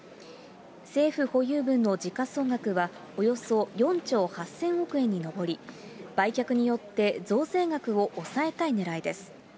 政府保有分の時価総額は、およそ４兆８０００億円に上り、売却によって増税額を抑えたいねらいです。